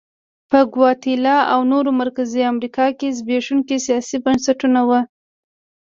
په ګواتیلا او نورو مرکزي امریکا کې زبېښونکي سیاسي بنسټونه وو.